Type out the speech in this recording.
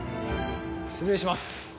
失礼します。